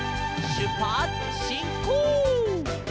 「しゅっぱつしんこう！」